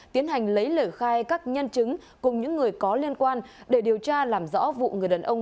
tiến hành lấy lời khai các nhân chứng cùng những người có liên quan để điều tra làm rõ vụ người đàn ông